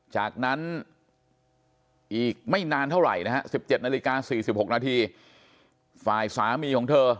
จากนั้นอีกไม่นานเท่าไหร่นะฮะ๑๗นาฬิกา๔๖นาทีฝ่ายสามีของเธอ